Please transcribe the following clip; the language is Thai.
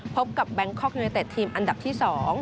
พบกับแบงคอกยูเนเต็ดทีมอันดับที่๒